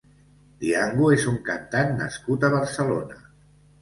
Dyango és un cantant nascut a Barcelona.